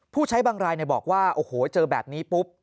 ใช้บางรายบอกว่าโอ้โหเจอแบบนี้ปุ๊บ